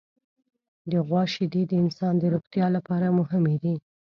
د غوا شیدې د انسان د روغتیا لپاره مهمې دي.